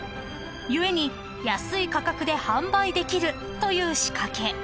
［故に安い価格で販売できるという仕掛け］